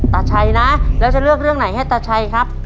ตาชัยนะแล้วจะเลือกเรื่องไหนให้ตาชัยครับ